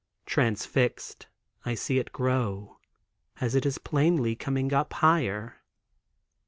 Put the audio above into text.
Transfixed, I see it grow, as it is plainly coming up higher.